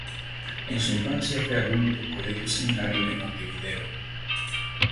En su infancia fue alumno del Colegio Seminario de Montevideo.